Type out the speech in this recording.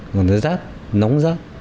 nó rát nóng rát